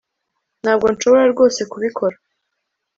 Ntabwo nshobora rwose kubikora